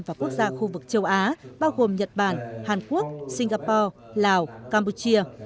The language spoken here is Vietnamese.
và quốc gia khu vực châu á bao gồm nhật bản hàn quốc singapore lào campuchia